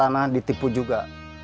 yang punya tanah ditipu juga